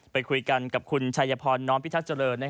ไปคุยกันกับคุณชัยพรน้อมพิทักษ์เจริญ